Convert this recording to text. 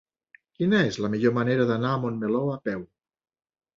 Quina és la millor manera d'anar a Montmeló a peu?